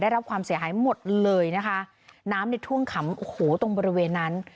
รับความเสียหายหมดเลยนะคะน้ำในท่วมขำโอ้โหตรงบริเวณนั้น